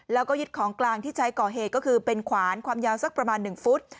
แล้วก็ยึดของกลางที่ใช้ก่อเหตุก็คือเป็นขวานความยาวสักประมาณ๑ฟุต